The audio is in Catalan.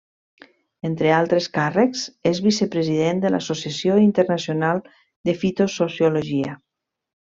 Entre altres càrrecs és vicepresident de l'Associació Internacional de Fitosociologia.